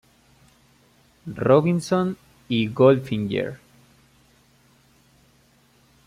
Robinson" y "Goldfinger".